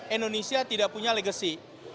indonesia tidak punya legasi